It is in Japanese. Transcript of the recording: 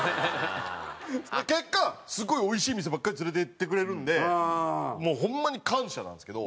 結果すごいおいしい店ばっかり連れて行ってくれるんでもうホンマに感謝なんですけど。